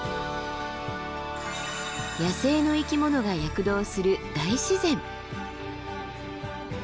野生の生き物が躍動する大自然。